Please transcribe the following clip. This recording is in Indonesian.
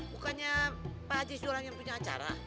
bukannya pak haji sekarang yang punya acara